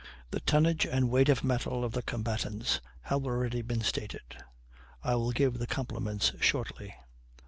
The tonnage and weight of metal of the combatants have already been stated; I will give the complements shortly.